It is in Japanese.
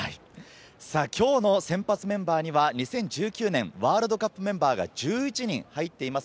今日のスタメンには２０１９年ワールドカップメンバーが１１人入っています。